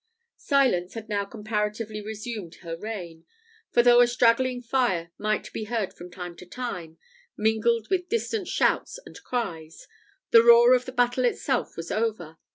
Silence had now comparatively resumed her reign; for though a straggling fire might be heard from time to time, mingled with distant shouts and cries, the roar of the battle itself was over.